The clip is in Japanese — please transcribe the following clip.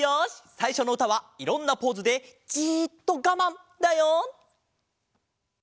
さいしょのうたはいろんなポーズでじっとガマンだよ！